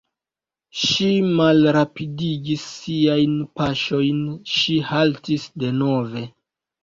Ŝi malrapidigis siajn paŝojn, ŝi haltis denove.